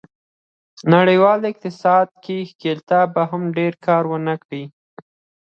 د نړیوال اقتصاد کې ښکېلتیا به هم ډېر کار و نه کړي.